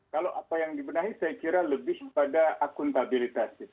kalau apa yang dibenahi saya kira lebih pada akuntabilitas